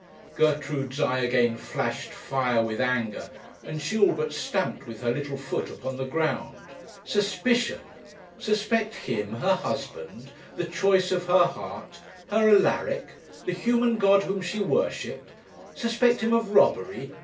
Gertrude's eye again flashed fire with anger; and she all but stamped with her little foot upon the ground. Suspicion! suspect him, her husband, the choice of her heart, her Alaric, the human god whom she worshipped! suspect him of robbery!